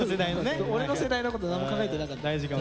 俺の世代のこと何も考えてなかった。